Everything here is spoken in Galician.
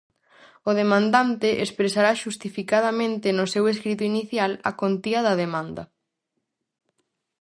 O demandante expresará xustificadamente no seu escrito inicial a contía da demanda.